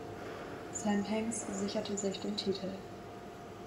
Sam Hanks sicherte sich den Titel.